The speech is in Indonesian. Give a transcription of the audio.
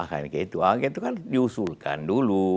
itu kan diusulkan dulu